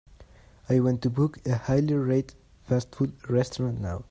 I want to book a highly rated fast food restaurant now.